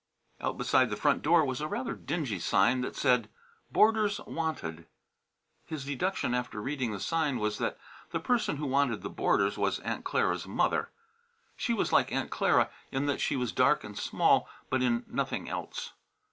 Out beside the front door was a rather dingy sign that said "Boarders Wanted." His deduction after reading the sign was that the person who wanted the boarders was Aunt Clara's mother. She was like Aunt Clara in that she was dark and small, but in nothing else.